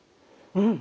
うん。